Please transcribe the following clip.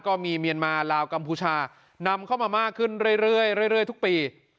เมียนมาลาวกัมพูชานำเข้ามามากขึ้นเรื่อยทุกปี